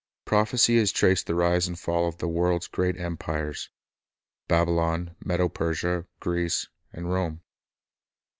Prophecy has traced the rise and fall of the world's great empires, — Babylon, Medo Persia, Greece, and Rome.